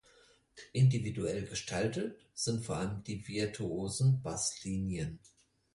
Individuell gestaltet sind vor allem die virtuosen Basslinien.